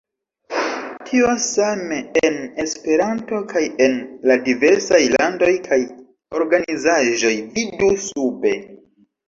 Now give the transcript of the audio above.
Tio same en Esperanto kaj en la diversaj landoj kaj organizaĵoj, vidu sube.